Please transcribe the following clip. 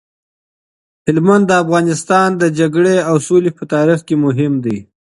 هلمند د افغانستان د جګړې او سولې په تاریخ کي مهم دی.